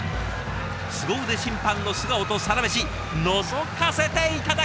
すご腕審判の素顔とサラメシのぞかせて頂きました！